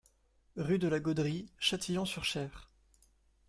Rue de la Gaudrie, Châtillon-sur-Cher